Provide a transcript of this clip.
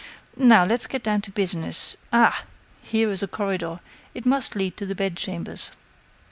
Now, let's get down to business!... Ah! here is a corridor; it must lead to the bed chambers.